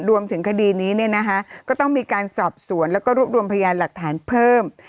รวมถึงคดีนี้เนี่ยนะคะก็ต้องมีการสอบสวนแล้วก็รวบรวมพยานหลักฐานเพิ่ม